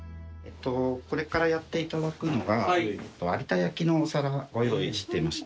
これからやっていただくのが有田焼のお皿ご用意してまして。